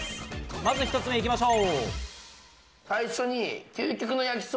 まず１つ目、いきましょう。